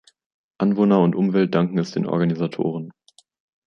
Anwohner und Umwelt danken es den Organisatoren.